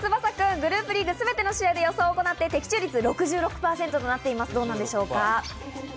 グループリーグすべての試合で予想を行って、６０％の的中率となっています。